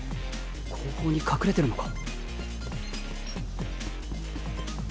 後方に隠れてるのか？